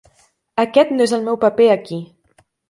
Aquest no és el meu paper aquí.